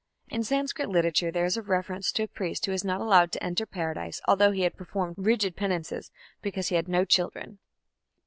In Sanskrit literature there is a reference to a priest who was not allowed to enter Paradise, although he had performed rigid penances, because he had no children.